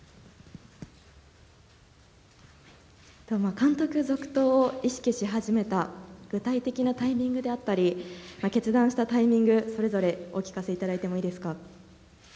監督続投を意識し始めた、具体的なタイミングであったり、決断したタイミング、それぞれお聞かせいただいてもいいですか。